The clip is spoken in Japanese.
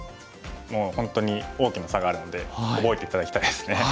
もう本当に大きな差があるので覚えて頂きたいですね。